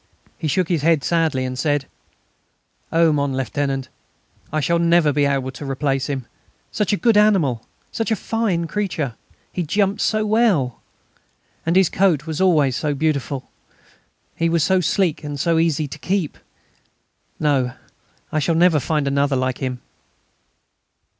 He shook his head sadly, and said: "Oh, mon Lieutenant! I shall never be able to replace him. Such a good animal! such a fine creature! He jumped so well.... And his coat was always so beautiful; he was so sleek and so easy to keep.... No, I shall never find another like him."